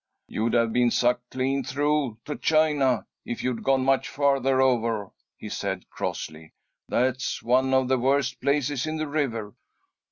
"You'd have been sucked clean through to China, if you'd gone much farther over," he said, crossly. "That's one of the worst places in the river."